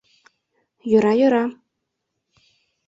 Йӧра-йӧра.